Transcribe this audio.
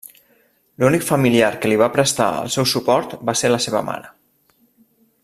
L'únic familiar que li va prestar el seu suport va ser la seva mare.